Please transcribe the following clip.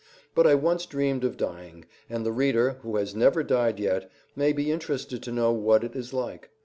But I once dreamed of dying, and the reader, who has never died yet, may be interested to know what it is like.